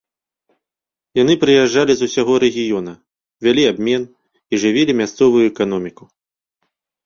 Яны прыязджалі з усяго рэгіёна, вялі абмен і жывілі мясцовую эканоміку.